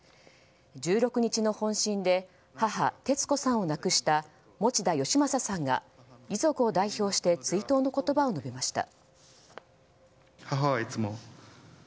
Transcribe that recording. １６日の本震で母・哲子さんを亡くした持田佳征さんが遺族を代表して追悼の言葉を述べました。